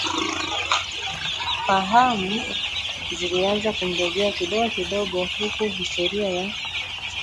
fahamu zilianza kumrejea kidogo kidogo huku historia ya